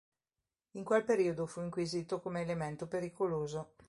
In quel periodo fu inquisito come elemento pericoloso.